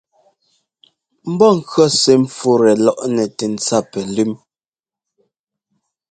Mbɔ́ŋkʉɔ́ sɛ́ ḿpfútɛ lɔ́ꞌnɛ tɛ ńtsa pɛlʉ́m.